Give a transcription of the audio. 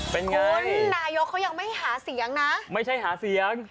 เป็นเงินนายกเขายังไม่หาเสียงนะไม่ใช่หาเสียง